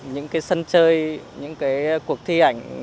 những sân chơi những cuộc thi ảnh